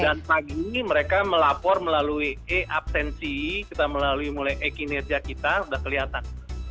dan pagi mereka melaporkan melalui e absensi kita melalui mulai e kinerja kita sudah kelihatan